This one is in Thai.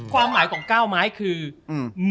ความหมายของเก้าไม้คืออืม